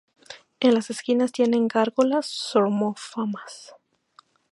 En las esquinas tiene gárgolas zoomorfas.